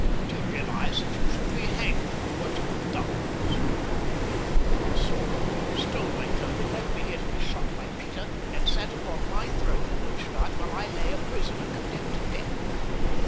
"Do you realize that you should be hanged for what you have done?" snarled the king. "You assaulted me, stole my clothing, left me here to be shot by Peter, and sat upon my throne in Lustadt while I lay a prisoner condemned to death."